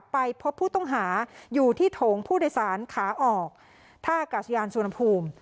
ไปพบผู้ต้องหาอยู่ที่โถงผู้โดยสารขาออกท่ากาศยานสุวรรณภูมิ